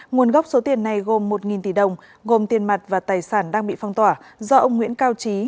nguồn gốc số tiền này gồm một tỷ đồng gồm tiền mặt và tài sản đang bị phong tỏa do ông nguyễn cao trí